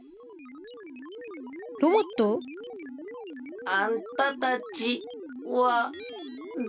ロボット？あんたたちはだれじゃ？